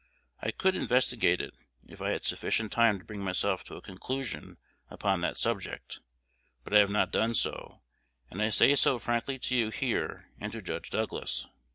I could investigate it if I had sufficient time to bring myself to a conclusion upon that subject; but I have not done so, and I say so frankly to you here and to Judge Douglas.